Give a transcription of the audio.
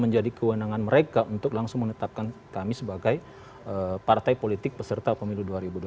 jadi kewenangan mereka untuk langsung menetapkan kami sebagai partai politik peserta pemilu dua ribu dua puluh empat